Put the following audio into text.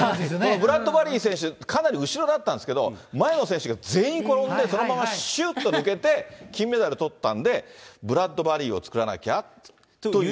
ブラッドバリー選手、かなり後ろだったんですけど、前の選手が全員転んでそのまま、しゅーっと抜けて、金メダルとったんで、ブラッドバリーを作らなきゃという。